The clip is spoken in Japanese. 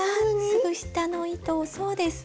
すぐ下の糸をそうです。